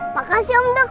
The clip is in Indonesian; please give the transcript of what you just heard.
makasih om dok